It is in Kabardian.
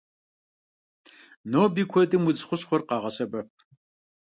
Ноби куэдым удз хущхъуэхэр къагъэсэбэп.